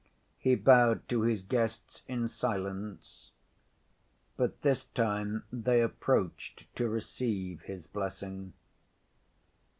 He bowed to his guests in silence. But this time they approached to receive his blessing.